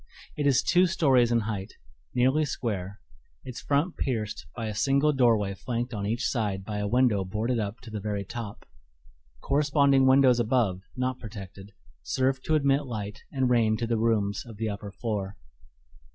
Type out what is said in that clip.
It is two stories in height, nearly square, its front pierced by a single doorway flanked on each side by a window boarded up to the very top. Corresponding windows above, not protected, serve to admit light and rain to the rooms of the upper floor.